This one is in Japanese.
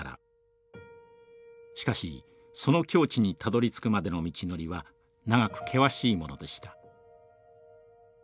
しかしその境地にたどりつくまでの道のりは長く険しいものでした。